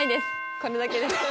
これだけです。